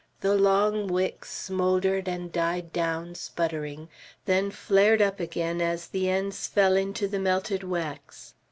The long wicks smouldered and died down, sputtering, then flared up again as the ends fell into the melted wax.